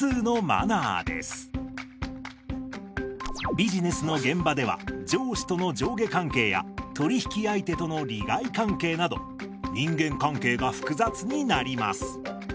ビジネスの現場では上司との上下関係や取り引き相手との利害関係など人間関係が複雑になります。